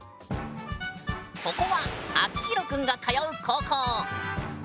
ここはアキヒロくんが通う高校。